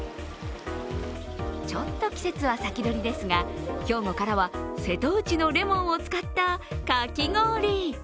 ちょっと季節は先取りですが兵庫からは瀬戸内のレモンを使ったかき氷。